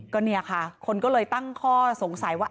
ก็เนี่ยค่ะคนก็เลยตั้งข้อสงสัยว่า